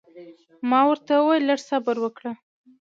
ما ورته وویل لږ صبر وکړه.